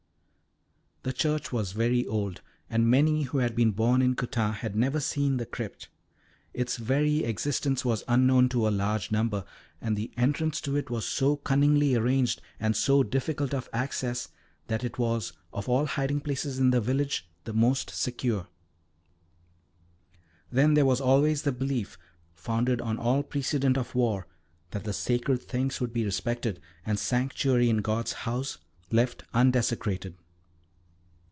The church was very old, and many who had been born in Coutane had never seen the crypt. Its very existence was unknown to a large number, and the entrance to it was so cunningly arranged, and so difficult of access, that it was of all hiding places in the village the most secure. Then there was always the belief, founded on all precedent of war, that the sacred things would be respected, and sanctuary in God's house left undesecrated.